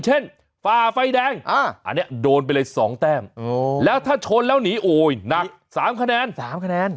เช่นฝ่าไฟแดงอันเนี่ยโดนไปเลย๒แต้มแล้วถ้าชนแล้วหินนัก๓คะแนน